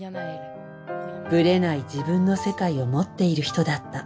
ぶれない自分の世界を持っている人だった。